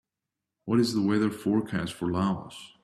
What is the weather forecast for Laos